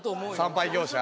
産廃業者？